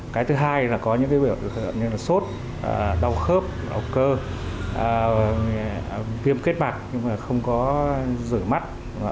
cái thứ hai là có những biểu hiện như là sốt đau khớp đau cơ viêm kết mặt nhưng mà không có rửa mắt